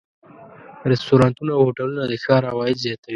رستورانتونه او هوټلونه د ښار عواید زیاتوي.